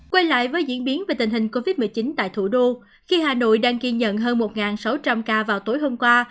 quay lại với diễn biến về tình hình covid một mươi chín tại thủ đô khi hà nội đang ghi nhận hơn một sáu trăm linh ca vào tối hôm qua